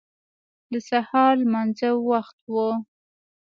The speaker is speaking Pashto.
د سهار لمانځه وخت و.